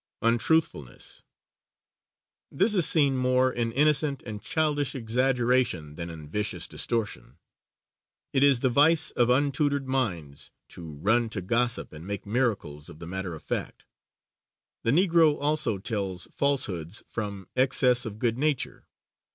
Untruthfulness. This is seen more in innocent and childish exaggeration than in vicious distortion. It is the vice of untutored minds to run to gossip and make miracles of the matter of fact. The Negro also tells falsehoods from excess of good nature.